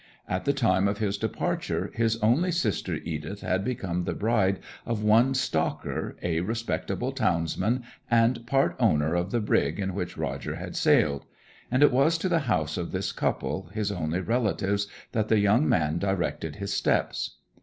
At the time of his departure his only sister Edith had become the bride of one Stocker, a respectable townsman, and part owner of the brig in which Roger had sailed; and it was to the house of this couple, his only relatives, that the young man directed his steps.